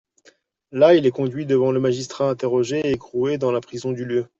Là il est conduit devant le magistrat, interrogé, et écroué dans la prison du lieu.